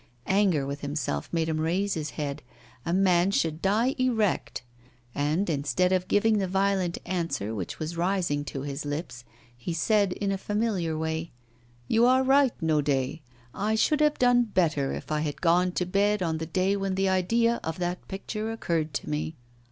Anger with himself made him raise his head a man should die erect. And instead of giving the violent answer which was rising to his lips, he said in a familiar way: 'You are right, Naudet, I should have done better if I had gone to bed on the day when the idea of that picture occurred to me.